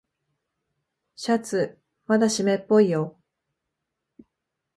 シャツまだしめっぽいよ。